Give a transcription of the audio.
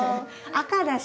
赤だし。